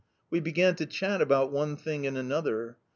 "We began to chat about one thing and another...